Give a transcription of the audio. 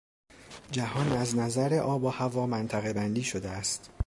جهان از نظر آب و هوا منطقهبندی شده است.